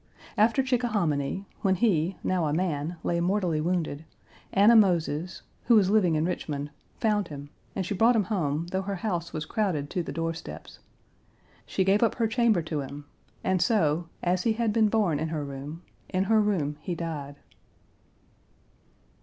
After Chickahominy when he, now a man, lay mortally wounded, Anna Moses, who was living in Richmond, found him, and she brought him home, though her house was crowded to the door steps. She gave up her chamber to him, and so, as he had been born in her room, in her room he died.